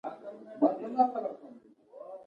دا یوه معقوله پرېکړه ګڼل کیږي.